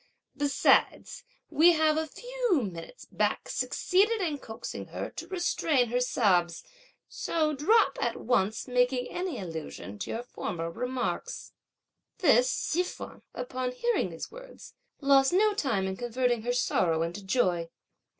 Besides, we have a few minutes back succeeded in coaxing her to restrain her sobs, so drop at once making any allusion to your former remarks!" This Hsi feng, upon hearing these words, lost no time in converting her sorrow into joy.